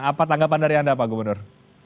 apa tanggapan dari anda pak gubernur